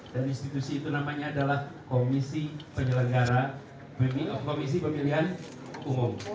dan institusi itu namanya adalah komisi penyelenggara komisi pemilihan umum